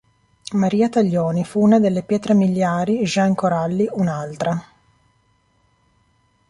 Maria Taglioni fu una delle pietre miliari, Jean Coralli un'altra.